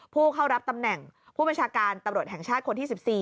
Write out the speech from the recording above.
ผู้เข้ารับตำแหน่งผู้บัญชาการตำรวจแห่งชาติคนที่๑๔